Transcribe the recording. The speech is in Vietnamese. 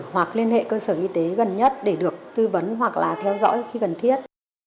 hoặc liên hệ cơ sở y tế gần nhất để được tư vấn hoặc là theo dõi khi cần thiết